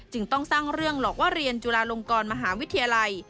ต้องสร้างเรื่องหลอกว่าเรียนจุฬาลงกรมหาวิทยาลัย